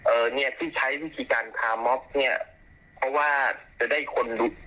เนี่ยที่ใช้วิธีการคาร์ม็อกซ์เนี่ยเพราะว่าจะได้คนลุก